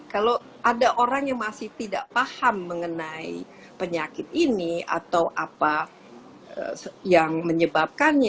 kalau ada orang yang masih tidak paham mengenai penyakit ini atau apa yang menyebabkannya